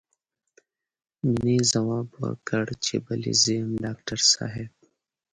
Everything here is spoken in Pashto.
مينې ځواب ورکړ چې بلې زه يم ډاکټر صاحب.